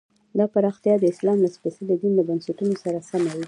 دا پراختیا د اسلام له سپېڅلي دین له بنسټونو سره سمه وي.